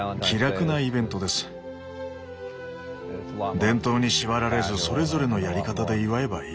伝統に縛られずそれぞれのやり方で祝えばいい。